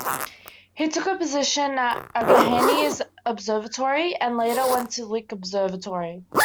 He took a position at Allegheny Observatory, and later went to Lick Observatory.